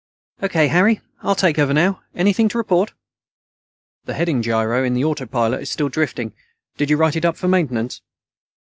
"O.K., Harry. I'll take over now. Anything to report?" "The heading gyro in the autopilot is still drifting. Did you write it up for Maintenance?"